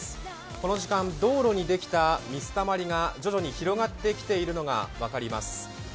この時間、道路にできた水たまりが徐々に広がってきているのが分かります。